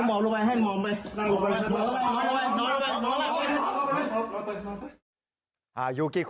โหม่มลงมาไป